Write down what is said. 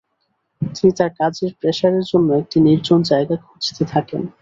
তিনি তার কাজের প্রসারের জন্য একটি নির্জন জায়গা খুজতে থাকেন।